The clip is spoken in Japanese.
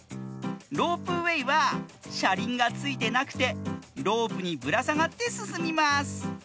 ロープウエーはしゃりんがついてなくてロープにぶらさがってすすみます。